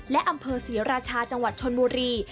และอำเภอศรีราชาจังหวัดชนบุรี